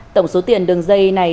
tổng số tiền đường dây này